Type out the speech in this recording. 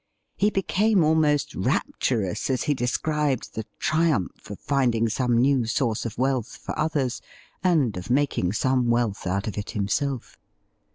He became almost rapturous as he described the triumph of finding some new source of wealth for others, and of making some wealth out of it himself.